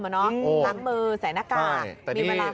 ล้ำมือใส่หน้ากาก